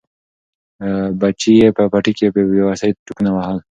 بچي یې په پټي کې په بې وسۍ ټوپونه وهل.